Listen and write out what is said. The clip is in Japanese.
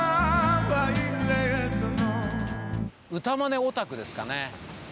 歌まねオタクですかね。